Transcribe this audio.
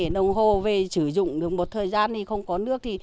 đồng hồ về sử dụng được một thời gian thì không có nước